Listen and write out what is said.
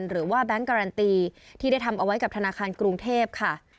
แบงค์การันตีที่ได้ทำเอาไว้กับธนาคารกรุงเทพค่ะ